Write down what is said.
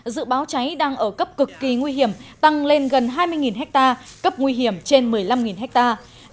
dự báo cháy đang ở cấp cực kỳ nguy hiểm tăng lên gần hai mươi hectare cấp nguy hiểm trên một mươi năm hectare